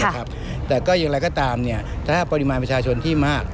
แต่ก็อย่างไรก็ตามถ้าปริมาณประชาชนที่มาก